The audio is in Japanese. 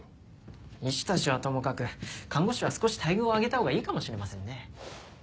医師たちはともかく看護師は少し待遇を上げたほうがいいかもしれませんね。